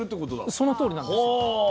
そのとおりなんですよ。